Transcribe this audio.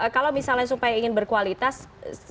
kalau misalnya supaya ingin berkualitas